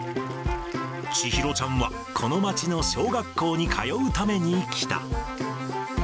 千尋ちゃんは、この町の小学校に通うために来た。